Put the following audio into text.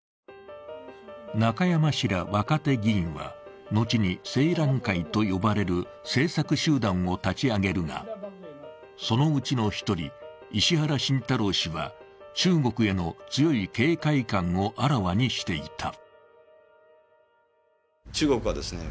中山氏ら若手議員は、後に青嵐会と呼ばれる政策集団を立ち上げるが、そのうちの一人、石原慎太郎氏は中国への強い警戒感をあらわにしていた。